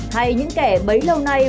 hay những kẻ mấy lâu nay